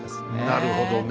なるほどね。